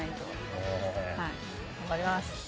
頑張ります。